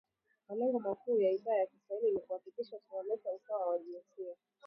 Malengo makuu ya Idhaa ya kiswahili ni kuhakikisha tuna leta usawa wa jinsia